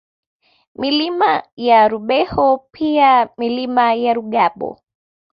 Milima ya Rubeho pia Milima ya Rugabo